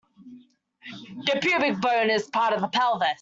The pubic bone is part of the pelvis.